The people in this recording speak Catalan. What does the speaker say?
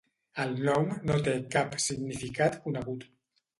El nom no té cap significat conegut.